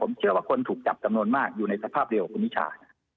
ผมเชื่อว่าคนถูกจับจำนวนมากอยู่ในสภาพเดียวกับคุณนิชา